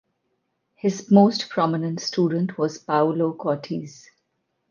His most prominent student was Paolo Cortese.